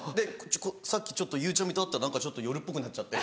さっきちょっとゆうちゃみと会ったら夜っぽくなっちゃって。